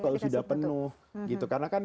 kalau sudah penuh gitu karena kan